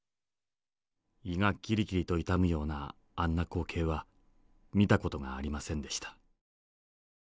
胃がキリキリと痛むようなあんな光景は見た事がありませんでした。